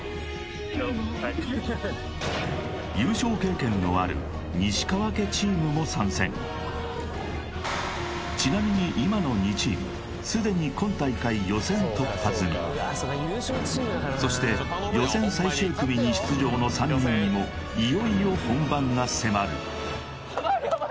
一応はい優勝経験のある西川家チームも参戦ちなみに今の２チームすでに今大会予選突破済みそして予選最終組に出場の３人にもが迫るヤバいヤバい！